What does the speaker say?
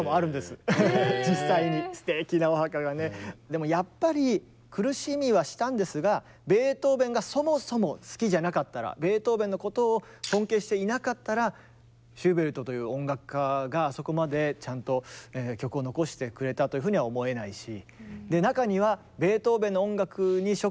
でもやっぱり苦しみはしたんですがベートーベンがそもそも好きじゃなかったらベートーベンのことを尊敬していなかったらシューベルトという音楽家がそこまでちゃんと曲を残してくれたというふうには思えないし。